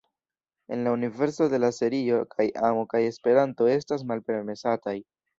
En la universo de la serio kaj amo kaj Esperanto estas malpermesataj.